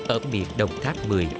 ở miền đồng tháp một mươi